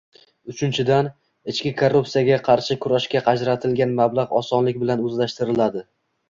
Uchinchidan, ichki korruptsiyaga qarshi kurashga ajratilgan mablag 'osonlik bilan o'zlashtiriladi